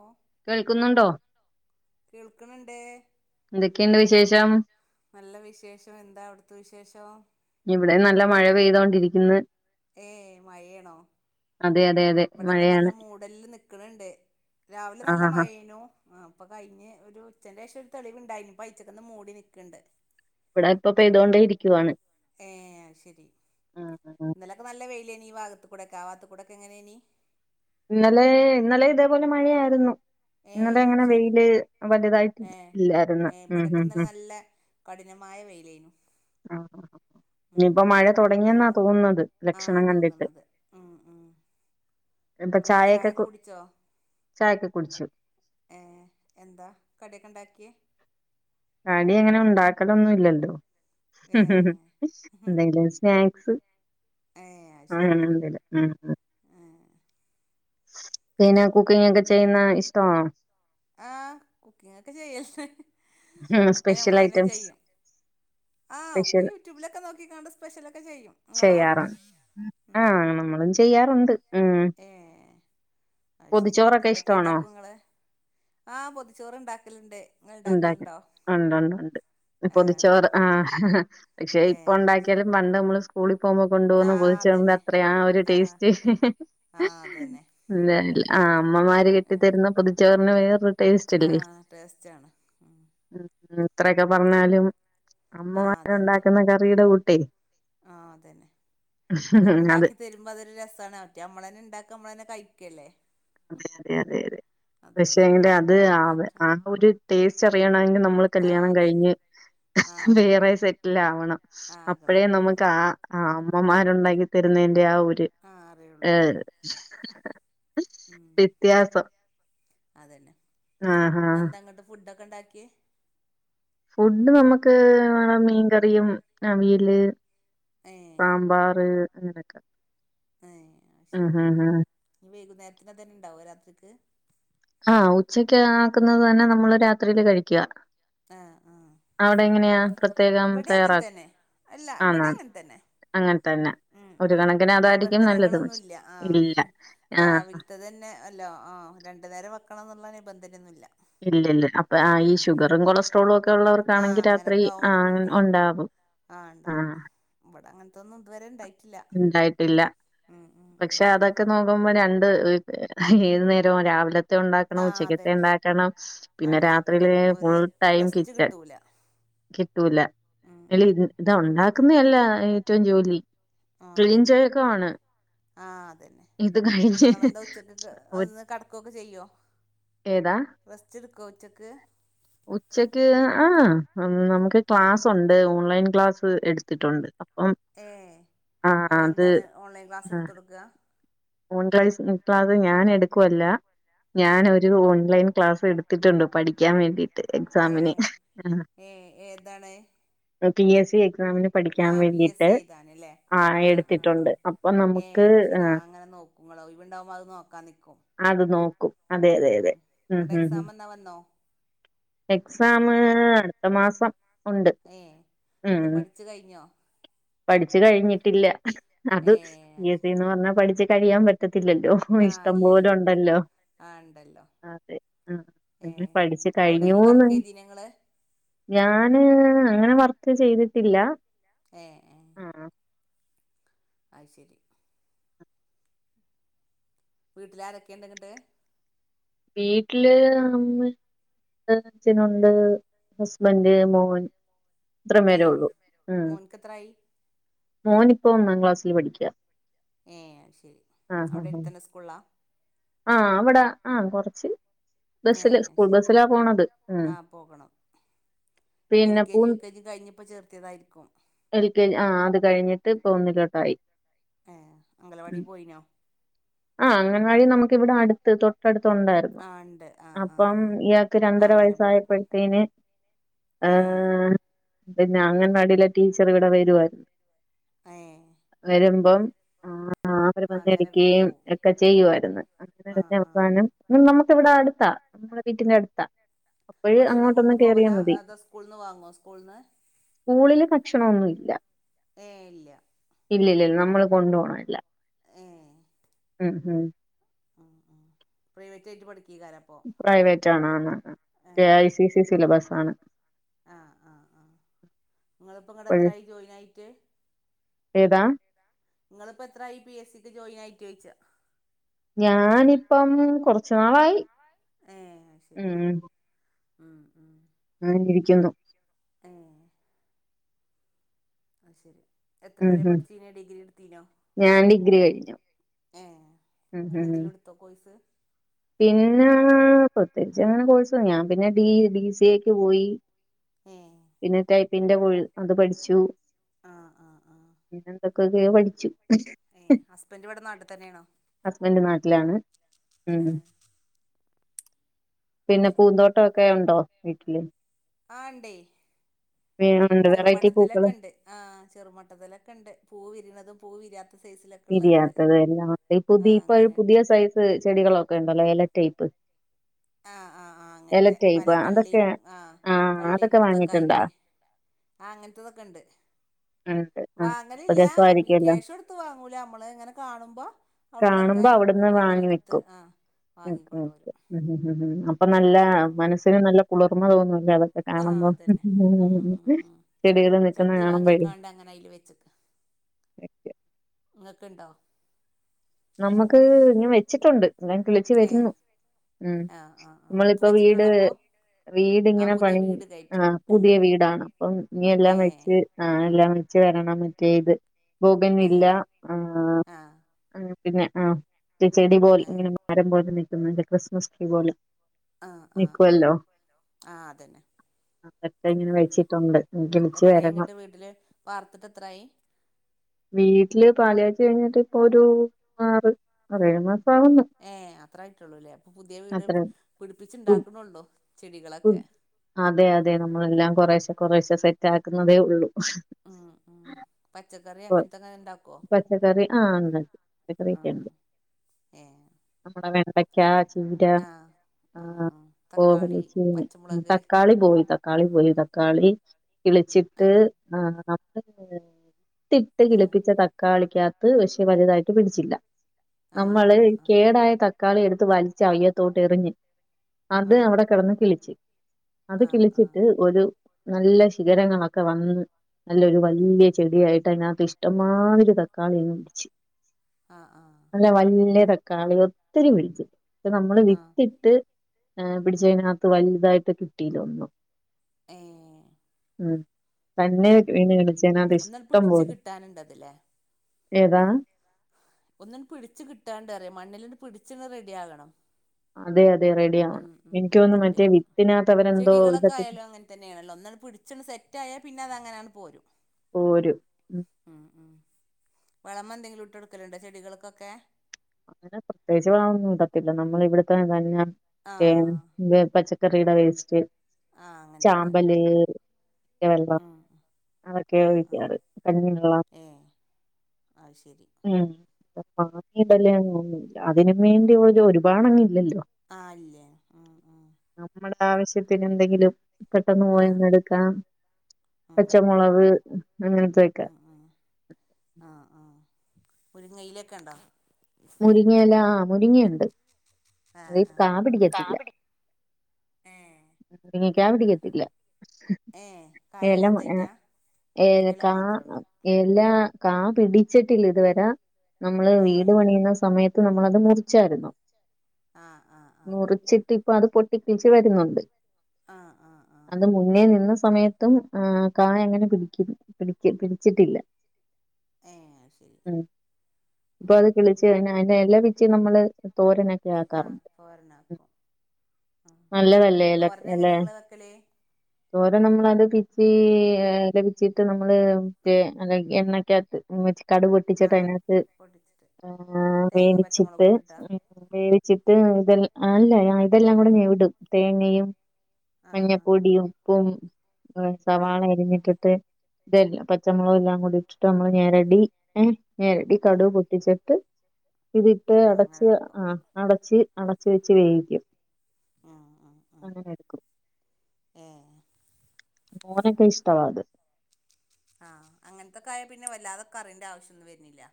ഓ കേൾക്കുന്നുണ്ടോ കേൾക്കണണ്ടേ എന്തൊക്കിണ്ട് വിശേഷം നല്ല വിശേഷം എന്താ അവിടുത്ത വിശേഷം ഴ പെയ്തോണ്ടിരിക്ന്ന് ഏ മയാണോ അതെ അതെ അതെ ഇവിടൊക്കെ നല്ല മഴയാണ് മൂടലില് നിക്കണ്‌ണ്ട് രാവിലെ ആ നല്ല ആ ആ മഴേനു ആ അപ്പ കയ്ഞ്ഞ് ഒരു ഉച്ചന്റെ ശേഷം ഒരു തെളിവ്ണ്ടായിരുന്നു ഇപ്പ അയ്ച്ചക്കന്ന് മൂടി നിക്ണ്ട് ഇവടെ ഇപ്പൊ പെയ്തോണ്ടേ ഇരിക്കുവാണ് ഏ ശെരി ആ, ആ, ആ. ഇന്നലൊക്കെ നല്ല വെയില ഈ ഭാഗത്തെ കുടൊക്കെ ആ ഭാഗത്തെ കുടൊക്കെ എങ്ങനായ്നീ ഇന്നലെ ഇന്നലെ ഇതേപോലെ മഴയായിരുന്നു ഏ ഇന്നലെ അത് അങ്ങനെ ശരി വെയില് വലുതായിട്ട് ഏ ഇല്ലായിരുന്നു ഉം ഉഹ് ഉ നമായ വെയിലേയ്നു ആ ആ ഇനിപ്പ മഴ തൊടങ്ങിയെന്നാ എന്താ തോന്നുന്നത് ആ ലക്ഷണം കണ്ടിട്ട് തോന്നണത് ഉം [inaudible] ഇപ്പൊ ചായൊക്കെ കു ചായൊക്കെ കുടിച്ചു ഏ എന്താ കട്യൊക്ണ്ടാക്ക്യേ കടി അങ്ങനെ ഉണ്ടാക്കലൊന്നും ഇല്ലല്ലോ ഏ എന്തെങ്കിലും സ്നാക്സ് ഏ അത് ഉം ശരി ഉം ന്റെല് ഉം ഏ പിന്നെ കുക്കിങ്ങ് ഒക്കെ ചെയ്യുന്ന ഇഷ്ടമാണോ ആഹ് കുക്കിങ്ങൊക്കെ ചെയ്യല്ലേ ഉം സ്പെഷ്യൽ ഐറ്റംസ് ആഹ് ഒക്കെ സ്പെഷ്യൽ യൂട്യൂബിലൊക്കെ നോക്കിക്കാണ്ട് സ്പെഷ്യലൊക്കെ ചെയ്യും ഇങ്ങളോ ചെയ്യാറുണ്ട് ആഹ് നമ്മളും ചെയ്യാ ഉം അയ് ശെരി പൊതിച്ചോറൊക്കെ ഇഷ്ടമാണോ എന്തൊക്കിണ്ടാക്കും ഇങ്ങള് ആഹ് പൊതിച്ചോറ് ഇണ്ടാക്കല്ണ്ട് ഇങ്ങള് ണ്ടാക്കല്ണ്ട ഒണ്ട് ഒണ്ട് ഒണ്ട് പൊതിച്ചോറ് ആ പക്ഷേ ഏ ഇപ്പൊ അത് ശരി ഒണ്ടാക്ക്യാലും പണ്ട് നമ്മള് സ്കൂ പോവുമ്പോ ആ കൊണ്ടൊവുന്ന പൊതിചോറിന്റെ അതന്നെ അത്രയും ആ ഒരു ടേസ്റ്റ് ആ അതന്നെ എന്ത ആ അമ്മമാര് കെട്ടി തരുന്ന പൊതിച്ചോറിന് വേറൊരു ടേസ്റ്റ് അല്ലേ ആഹ് ടേസ്റ്റ് ആണ് ഉം എത്രൊക്കെ പറഞ്ഞാലും ആ അമ്മമാര് അതന്നെ ഇണ്ടാക്കുന്ന കറിടെ കൂട്ടേ ആ അതന്നെ അത് അതെ ഓര്ണ്ടാക്കി തരുമ്പോ അതൊരു രസാണ് മറ്റേ അമ്മള് തന്നെ ഇണ്ടാക്ക അമ്മള് തന്നെ കഴിക്കല്ലേ അതെതെ അതെയതെ അതാണ് പക്ഷേങ്കില് അത് ആ ആ ഒരു ടേസ്റ്റ് അറിയണെങ്കിൽ ന നമ്മള് ആ കല്ല്യാണം അതന്നെ കഴിഞ്ഞ് ആ വേറെ സെറ്റിലാവണം ആ ആകണം അപ്പഴേ നമ്മുക്ക് ആ ആ അമ്മമാരുണ്ടാക്കി തരുന്നതിന്റെ ആ ഒരു ആ ഏ അറിയുള്ളൂ ഉം വ്യത്യാസം ആ ആ ക്കണ്ടാക്കി ഫുഡ് നമ്മുക്ക് വേണം മീൻകറിയും അവീല് ഏ സാമ്പാറ് അങ്ങനൊക്കെ ഏ ഉം അത്‌ശരി ഉം ഉം ഇനി വൈകുന്നേരത്തിന് അതന്നെ ഇണ്ടാവോ രാത്രിക്ക് ആ ഉച്ചക്ക് ആക്കുന്നത് തന്നെ നമ്മള് രാത്രില് കഴിക്ക ആ ആ അവടെ എങ്ങനെയാ പ്രത്യേകം ഇവിടെ അങ്ങനെ തയ്യാറാക് തന്നെ അല്ല ഇവിടെ ആന്നാ അങ്ങനെ തന്നെ അങ്ങനെ തന്നെ ഉം ഒരു ഉം കണക്കിന് അതായിരിക്കും നല്ലത് നിബന്ധനകളൊന്നുല്ല ആ ഇല്ല ആ രാവിൽത്തെതന്നെ അല്ലോ ആ ആ രണ്ടു നേരം വെക്കണന്ന്ള്ള നിബന്ധനൊന്നുല്ല ഇല്ല ഇല്ല അപ്പൊ ആ ഈ ഷുഗറും കൊളസ്ട്രോളും ഒക്കെ ആഹ് ഒപ്പോള്ളോർക്കാണെങ്കി രാത്രി അങ്ങനൊക്കെ ആ ആവുമ്പോ പിന്നെ ഉണ്ടാവും ആ ഇതൊന്നും ത് വരെ ണ്ടായിട്ടില്ല ഉം ഉം ഉം പക്ഷേ അതൊക്കെ നോക്കുമ്പോൾ രണ്ട് ഏത് നേരേം രാവിലത് തെ ഉണ്ടാക്കണം ആഹ് ഉച്ചക്കത്തെ അതന്നെ ഉണ്ടാക്കണം ആഹ് പിന്നെ ഇണ്ടാക്കണം രാത്രിയില് ഒരു ഫുൾ ടൈം റെസ്റ്റ് കിച്ചൺ കിട്ടൂല കിട്ടൂല ഉം എൽ ഉം ഉം ഇത ഉണ്ടാക്ക ഇന്ന അല്ല ഏറ്റവും ജോലി ക്ലീൻച യ്യോക്കെയാണ് ആ അതന്നെ നിങ്ങെന്താ ഉച്ചക്ക് ഒ ഒന്ന് കടകൊക്കെ ചെയ്യോ ഏതാ റെസ്റ്റ് എടുക്കോ ഉച്ചക്ക് ഉച്ചക്ക് ആ ആ നമുക്ക് ആഹ് ക്ലാസ്സുണ്ട് ഓൺലൈൻ ക്ലാസ്സ് എടുത്തിട്ടുണ്ട് അപ്പം ഏ അത് എന്താണ് ഓൺലൈൻ ക്ലാസ്സ് എടുത്ത് കൊട്കാ ഓൺ ഗ്ലയ്സ് ഇപ്പത് ഞാൻ എടുക്കുവല്ല ആഹ് ഞാനൊരു ഓൺലൈൻ ക്ലാസ് എടുത്തിട്ടുണ്ട് പഠിക്കാൻ വേണ്ടിട്ട് എക്സാമിന് ഏഹ് ഏഹ് ഏതാണ് പി എസ് സി എക് സാമിന് പഠിക്കാൻ ആഹ് പി എസ് വേണ്ടിട്ട് സി ആ എടുത്തിട്ടുണ്ട് നമുക്ക് ഏയ അയ്ശരി ആ അങ്ങനെ നോക്കുമ്പളോ ഒഴിവിണ്ടാവുമ്പോ അത് നോക്കാ നിക്കും അത് നോക്കും അതെ അതെ ഉം അതെ ഉം നിങ്ങടെ ഉം എക്സാം എന്നാ വന്നോ എക്സാമ് അടുത്ത മാസം ഉണ്ട് ഏ ഉം അത് പഠിച്ചു കഴിഞ്ഞോ പഠിച്ചു കഴിഞ്ഞിട്ടില്ല അത് ഏഹ് പി അത് എസ് ശരി സിന്ന് പറഞ്ഞാ പഠിച്ച് കഴിയാൻ പറ്റത്തി ത്തില്ലല്ലോ ആഹ് ഇഷ്ടം പോലും ഇല്ലല്ലോ ഉണ്ടല്ലോ ആഹ് ഉണ്ടല്ലോ അതെ ആ ഏഹ് പഠിച്ചു എവിടെയെങ്കിലും കഴിഞ്ഞുന്ന് വർക്ക് ചെയ്തീനോ ഇങ്ങള് ഞാന് ആ അങ്ങനെ വർക്ക് ചെയ്തിട്ടില്ല ഏ ആ അത് ശരി വീട്ടിലാരൊക്കെണ്ട് ങ്ങട്ട് വീട്ടില് മ് ചനുണ്ട് ഹസ്ബന്റ് മോൻ അത്രമേരേ ഏഹ് ഉള്ളൂ ഉം മോൻക്ക് എത്രായി മോൻ ഇപ്പ ഒന്നാം ക്ലാസ്സിൽ പഠിക്യാ ഏ ശരി അവിടെ എടുത്തന്നെ സ്കൂള് ലാ ആഹ അവിടെ ആഹ കൊറച്ച് ബസ്സില് ഏഹ് അത് സ്കൂൾ ശരി ബസ്സിലാ പോണത് ഉ ആഹ് പോകണം L K G U K G കഴിഞ്ഞപ്പോ ചേർത്തിയതായിരിക്കും എൽ കെ ജി ആ അത് കഴിഞ്ഞിട്ട് പോന്നിലോട്ടായി ആ അംഗലവാടി പോയിനോ ആഹ് അഗൻവടി നമുക്ക് ഇവിടെ അടുത്ത് തൊട്ടട് ത്തുണ്ടായിരുന്നു ആ ഉണ്ട് ആ ആ ആ അപ്പം ഇയാക്ക് ആ രണ്ടര അങ്ങനെ പോവും വയസ്സായപ്പോഴത്തേന് ഏ ആഹ പിന്നെ അഗൻവാടിലെ ടീച്ചർ ഇവിടെ വരു ആയിരുന്നു ഏ വരു അപ്പം അവര് ആ അങ്ങനെ വന്നടിക്ക് പോവും ഒക്കെ ചെയ്യുവായിരുന്നു ആ ആ ആ അവസാനം നമുക്ക് ഇവിടെ അടുത്താ നമ്മുടെ വീട്ടിന്റെ അടുത്താ അപ്പഴ് ഭക്ഷണം കൊണ്ടു അങ്ങോട്ടൊന്ന് കേറിയാ പോവലാ മതി അതോ സ്കൂൾന്ന് വാങ്ങോ സ്കൂൾന്ന് ഭക്ഷണൊന്നുല്ല ഏ ഇല്ല ഇല്ല ഇല്ലല്ല നമ്മള് കൊണ്ട് പോണല്ല ഏ ഉം ഉം ഉ പ്രൈവറ്റ് ആയി പഠിക്ക പ്രൈവറ്റ് ആണ് കെഐ സി സി സിലബസ് ആണ് ആഹ ആഹ ആഹ് നിങ്ങളിപ്പോ ഇങ്ങടെ അപ്പഴ് എത്രായി ജോയി നാ യിട്ട് ഏതാ നിങ്ങളിപ്പോ എത്രായി പി എസിക്ക് ജോയിനായിട്ടോച്ചയ ഞാനിപ്പം കൊറച്ചു നാളായി ഏ ശെരി ഉം ഉം ആ ഇരിക്കുന്നു ഏ അത് ശെരി ഉം ഉം ഞാൻ ഡിഗ്രി കഴിഞ്ഞു ഏ പിന്നെ എന്തെലും എടുത്തോ കോഴ്സ് പിന്നാ പ്രെത്യേകിച്ചങ്ങനെ കോഴ്സ് ഞാൻ പിന്നെ ഡി ബി സിയക്ക് പോയി ഏ പിന്നെന്തായി പിന്റെ കോഴി അത് പഠിച്ചു ആ ആ ആ പിന്നെ എന്തൊക്കൊക്കെയോ പഠിച്ചു ഏ ഹസ്ബൻഡ് ഇവിടെ നാട്ടിൽ തന്നെയാണോ ഹസ്ബൻ്റ് നാട്ടിലാണ് ഉം ഏ അത് പിന്നെ ശരി പൂന്തോട്ടം ഒക്കെ ഉണ്ടോ വീട്ടില് ആ ഇണ്ടേ ഉണ്ട് വെറൈറ്റി ചെറുമട്ടത്തിലൊക്കെ പൂക്കള് ഉണ്ട് ആഹ് ചെറുമട്ടത്തിലൊക്കെ ഉണ്ട് പൂവിരുന്നതും വിരിയാത്തത് എല്ലാം ആ പുതി ഇപ്പൊ ഒരു അങ്ങനെണ്ട് പുതിയ സൈസ് ചെടികളോ ക്കെ ഉണ്ടല്ലോ എല ടൈപ്പ് ആഹ് ആഹ് ആഹ് എല അങ്ങനത്തെ പല ടൈപ്പ് കള്ളിയും അതൊക്കെ ആഹ് കള്ളി അതൊക്കെ കുത്തൊക്കെ വാങ്ങിട്ടുണ്ടാ ആയിട്ട് ആഹ് അങ്ങനത്തതൊക്കെ ഉണ്ട് ഉണ്ട് ആഹ് അപ്പൊ വാങ്ങലില്ലാ അപ്പ ഈ രസമായിരിക്കുമല്ലോ ക്യാഷ് എടുത്ത് വാ ങ്ങൂല നമ്മള് ഇങ്ങനെ കാണുമ്പോ അവിടുന്നൊക്കെ കാണുമ്പോ അവിടുന്ന് അങ്ങനെ വാങ്ങി എടുത്ത് വെക്കും ആഹ് ഉം ഉം വാങ്ങിക്കൊണ്ടുവരും അപ്പം ഉം നല്ല അങ്ങനെ മനസ്സിന് നല്ല കുളിർമ തോന്നു അതൊക്കെ ആഹ് കാണുമ്പോ അതന്നെ ഉം ഉം ഉം ചെടികള് നിക്കുന്ന ചട്ടി കാണുമ്പഴേ ഇങ്ങക്കുണ്ടോ നമ്മുക്ക് ഞാൻ വെച്ചിട്ടുണ്ട് എല്ലാം കിളിച്ചു ഏഹ് വരുന്നു ഉം ആഹ് ആഹ് ആഹ് ഇപ്പം നമ്മളിപ്പ വീട് വെച്ചിട്ടുള്ളപ്പോൾ ആഹ് വീടിങ്ങനെ പുതിയ പണി വീട് ആ കയറ്റി ആഹ് പുതിയ വീടാണ് അപ്പം ഇനി എല്ലാം ഏഹ് വെച്ച് ആ എല്ലാം വെ ച്ച് വരണം മറ്റേ ഇത് ഭൊകന്നില്ല നടക്കുന്നില്ല ആ പോലെ മരം പിന്നെ ആഹ് ചെ ചെടി പോൽ ഇങ്ങനെ മരം പോലെ നിക്കുന്ന ക്രിസ്മസ് ട്രീ പോലെ ആഹ് ആഹ് ആഹ് ആഹ് അതന്നെ ആ അതൊക്കെ ഇങ്ങനെ ഉം വെിച്ചിട്ടൊണ്ട് ഇനി കിളിച്ചു എത്രായി വരണം ഇങ്ങട്ട് വീട്ടില് പാർത്തിട്ട് എത്രായി വീട്ടില് പാല്കാച് കഴിഞ്ഞിട്ട് ഇപ്പൊ ഒരു ആറ് ആറേഏഴ് മാസാവുന്ന് ഏ അത്ര ആയിട്ടുള്ളൂല്ലേ അപ്പൊ പുതിയ വീട് പിടുപ്പിച്ചുണ്ടാക്കുണുണ്ടോ ചെടികളൊക്കെ അതെ അതെ നമ്മളെല്ലാം കൊറേശ്ശെ കൊറേശ്ശെ സെറ്റ് ആക്കുന്നതേ ഉള്ളു ഉം ഉം പച്ചക്കറി പ അങ്ങനത്തൊക്കെ ഉണ്ടാക്കുവോ പച്ചക്കറി ആഹ് ഉണ്ട് പച്ചക്കറിയൊക്കെ ആഹ് ഉണ്ട് ഏഹ് നമ്മടെ വെണ്ടക്ക ചീര ആഹ് ആഹ് ആ ആഹ് തക്കാളി [unintelligible] പച്ചമുളക് തക്കാളി പോയി തക്കാളി പോയി തക്കാളി കിളിച്ചിട്ട് ആഹ് ആ ന ഇട്ടിട്ട് ആഹ് കിളിപ്പിച്ച ആഹ് തക്കാളിക്കാത്ത് പക്ഷെ വലുതായിട്ട് പിടിച്ചില്ല ആഹ് ആഹ് നമ്മള് ആഹ് കേടായ തക്കാളി എടുത്ത് വലിച്ച് അവയ്യത്തോട്ട് എറിഞ്ഞ് അത് ആഹ് അവിടെ കിടന്ന് കിളിച്ച് അത് ആഹ് കിളിച്ചിട്ട് ഒരു നല്ല ശിഖരങ്ങളൊക്കെ വന്ന് നല്ലൊരു വലിയ ചെടിയായിട്ട് അതിനാത്ത് ഇഷ്ടമ്മാതിരി ത തക്കാളി അങ്ങ് പിടിച്ച് ആഹ് ആഹ് ആഹ് നല്ല വല്ല്യ തക്കാളി ഒത്തിരി പിടിച്ച് നമ്മള് ആഹ് വിത്തിട്ട് ഏ പിടിച്ചയിനാത്ത് വലുതായിട്ട് കിട്ടീല ഒന്നും ഏ ഉം തന്നെ വീണ് കിളിച്ചേനാത്ത് ഒന്നണ്ട് ഇഷ്ടം പിടിച്ച് പോലെ കിട്ടാനുണ്ടതില്ലേ ഏതാ ഒന്നിൻ പിടിച്ചു കിട്ടാണ്ടറിയാം മണ്ണിലിത് പിടിച്ചിന്ന് റെഡി ആകണം അതെ അത് ഉ ഉ റെഡി ആവണം വിത്തിനകത്ത് അവരെന്തോ ചെടികളൊക്കെ ഇതൊക്കെ ആയാലും അങ്ങനെ തന്നെയ ആണല്ലോ ഒന്ന് പിടിച്ച തെറ്റായ പിന്നെ അത് അങ്ങനെയാണ് പോരും പോര് [unintelligible] ഉ ഉം ഉം വളം എന്തെങ്കിലും ഇട്ടെടുക്കലുണ്ടോ ചെടികൾക്കൊക്കെ അങ്ങനെ പ്രത്യേകിച്ച് വള ഒന്നും ഇടത്തില്ല നമ്മൾ ഇവിടുത്തെ തന്ന ആഹ് പച്ച ചക്കറിയുടെ വേസ്റ്റ് ആഹ് അങ്ങനത്തൊക്കെ ചാമ്പല് വെള്ളം ഉം അതൊക്കെ ആഹ് ആഹ് ഒഴിക്കാറ് കഞ്ഞിവെള്ളം ആ ശരി ങ്ങിയണ്ടല്ലേന്ന [unintelligible] അതിന് വേണ്ടിയ ഒരുപാട് ഇല്ലോ അല്ലേ നമ്മുടെ ആവശ്യത്തിന് എന്തെങ്കിലും പെട്ടെന്ന് ആഹ് പോയന്ന് എടുക്കാം ആഹ് ആഹ് പച്ചമുളക് ആഹ് അങ്ങനത്തെയൊക്കെ ആഹ ആഹ മുരിങ്ങയിലേക്ക് ഉണ്ടോ മുരിങ്ങയില ആ മുരിങ്ങയുണ്ട് അത് ആഹ് കാ ആഹ് പിടിക്കത്തില്ല ഏഹ് കാ പിടിക്ക പിടിക്കത്തില്ല ഏഹ് ഏലം കായില്ലാത്തയിറ്റാ ഇല ഏലക്ക മാത്രള്ള എല കാ പിടിച്ചിട്ടില്ല ഇതുവരെ നമ്മള് വീട് ഏഹ് പണി സമയത്ത് നമ്മളത് മുറിച്ചായിരുന്നു ആഹ് ആഹ് ആഹ് മുറിച്ചിട്ട് അത് പൊട്ടിക്ക [unintelligible] വരുന്നുണ്ട് ആഹ് ആഹ് ആഹ് അത് മുന്നേ നിന്ന് സമയത്തും ആ കായ അങ്ങനെ പിടികും പിടി പിടിച്ചിട്ടില്ല ഏ ശരി ഉം ഇപ്പൊ മ് അത് മ് കിളിച്ച് അതിന്റെ എല്ലാം പിച്ചി നമ്മള് തോരൻ ഒക്കെ ആഹ് ആക്കാറുണ്ട് തോരനാക്കും ആഹ് നല്ലതല്ലേ ലെ തോരന് എങ്ങനെ എലെ നിങ്ങള് വെക്കല് തോരൻ നമ്മളത് അത് [unintelligible] ലപിച്ചിട്ട് നമ്മള് കെ ഉം അത് എണ്ണക്കത്ത് കടുക് പൊട്ടിച്ചിട്ട് ആഹ് അതിനകത്ത് പൊടിച്ചിട്ട് ഏ തേങ്ങയും വേവിച്ചിട്ട് പച്ചമുളകും ഇട്ടിട്ടാ വേവിച്ച് ഇത് അല്ല ഇതെല്ലാം കൂടെ ഞാൻ ഇടും തേങ്ങയും ആഹ് ആഹ് മഞ്ഞപ്പൊടി ഉപ്പും ആഹ് സവാള ആഹ് അരിഞ്ഞിട്ടിട്ട് ഇതെല്ലാം പച്ചമുളക് എല്ലാം കൂടി ഇട്ടിട്ട് നമ്മള് ഞരടി ഏ ഞരടി കടു ഉം പൊട്ടിച്ചിട്ട് ഇതിട്ട് ആഹ് അങ്ങനെ അടച്ച് വെക്കും ആ അടച്ച് അടച്ച വെച്ച് വേവിക്കും ഉം ഉം ഉം അങ്ങനെ എടുക്കും ഏഹ് മോനൊക്കെ ഇഷ്ടാവാ അത് ആ അങ്ങനത്തെൊക്ക ആയ പിന്നെ വല്ലാതെ കറിന്റെ ആവശ്യമൊന്നും വരുന്നി ല്ല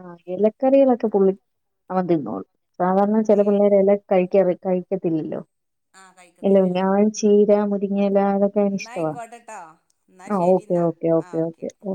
ആ ഇലക്കറികളൊക്കെ പുള്ളി അവൻ തിന്നളു സാാരണ ചില ഏഹ് പിള്ളേരെ കഴിക്കാറ കഴിക്കത്തില്ലല്ലോ ആഹ് [unintelligible] അ കഴിക്കത്തില്ലല്ലോ ചീരാ മു എല അതൊക്കെ എന്നാ ഇഷ്ട ആയിക്കോട്ടെട്ടോ എന്നാ ആ ശരി ഓക്കെ എന്നാ ഓക്കെ ആഹ് ഓക്കേ ഓക്കെ ഓ ഓ